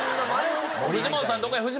フジモンさん